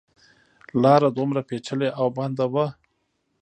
لاره دومره پېچلې او بنده وه.